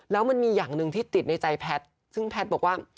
แล้วมันมีอย่างหนึ่งที่ติดในใจแพทย์ซึ่งแพทย์บอกว่า